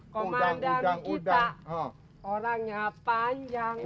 komandang kita orangnya panjang